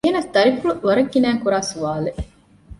އެހެނަސް ދަރިފުޅު ވަރަށް ގިނައިން ކުރާ ސުވާލެއް